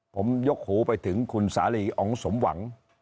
ผมยกหูไปถึงคุณสาลีอ๋องสมหวัง